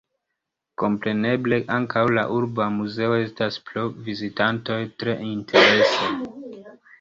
Kompreneble ankaŭ la urba muzeo estas por vizitantoj tre interesa.